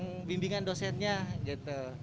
ngasih lagi ke bimbingan dosennya gitu